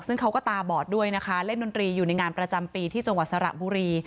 ซึ่งเขาก็ตาบอดด้วยนะคะเล่นดนตรีอยู่ในงานประจำปีที่จังหวัดสระบุรี